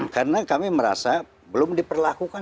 karena kami merasa belum diperlakukan